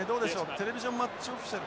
テレビジョンマッチオフィシャル。